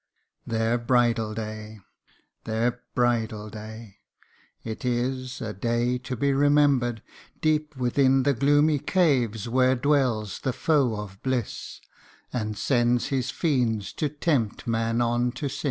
" Their bridal day their bridal day it is A day to be remember'd, deep within The gloomy caves where dwells the foe of bliss, And sends his fiends to tempt man on to sin.